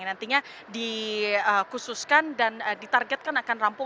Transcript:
nantinya dikhususkan dan ditargetkan akan rampau